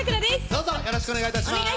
どうぞよろしくお願い致します